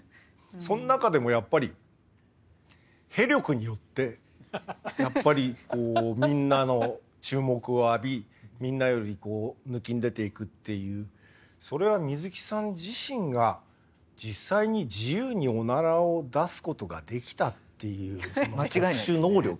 そん中でもやっぱり屁力によってやっぱりこうみんなの注目を浴びみんなよりぬきんでていくっていうそれは水木さん自身が実際に自由におならを出すことができたっていう特殊能力。